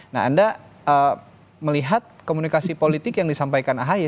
nah anda melihat komunikasi politik yang disampaikan ahy